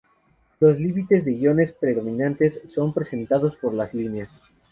Los límites de iones predominantes son representados por líneas.